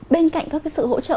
bên cạnh các sự hỗ trợ